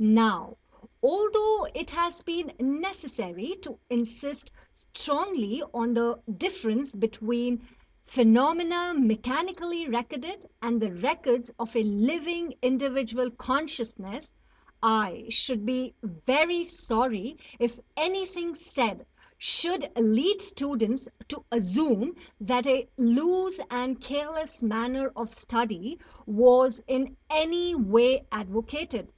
Now, although it has been necessary to insist strongly on the difference between phenomena mechanically recorded and the records of a living individual consciousness, I should be very sorry if anything said should lead students to assume that a loose and careless manner of study was in any way advocated.